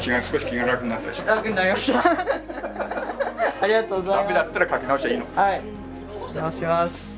ありがとうございます。